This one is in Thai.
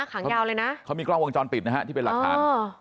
ขังยาวเลยนะเขามีกล้องวงจรปิดนะฮะที่เป็นหลักฐาน